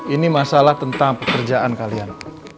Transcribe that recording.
ini masalah tentang pekerjaan kalian